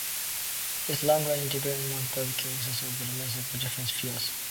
There is a long-running debate among barbecue enthusiasts over the merits of different fuels.